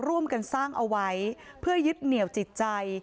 ร่วมกันสร้างเอาไว้เพื่อยึดเหนียวจิตใจ